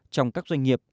trong các doanh nghiệp